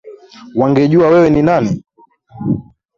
Wangejua wewe ni nani